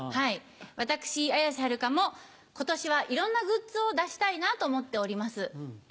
私綾瀬はるかも今年はいろんなグッズを出したいなと思っております。